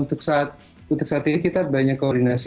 untuk saat ini kita banyak koordinasi